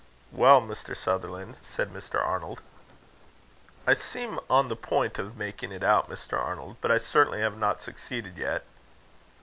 "Well, Mr. Sutherland?" said Mr. Arnold. "I seem on the point of making it out, Mr. Arnold, but I certainly have not succeeded yet."